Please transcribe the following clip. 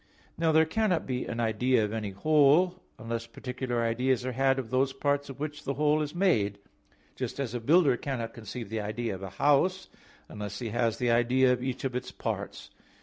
Now there cannot be an idea of any whole, unless particular ideas are had of those parts of which the whole is made; just as a builder cannot conceive the idea of a house unless he has the idea of each of its parts.